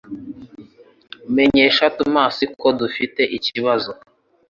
Menyesha Tomasi ko dufite ikibazo.